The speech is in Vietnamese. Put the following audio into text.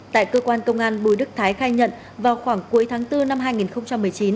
tại cơ quan công an bùi đức thái khai nhận vào khoảng cuối tháng bốn năm hai nghìn một mươi chín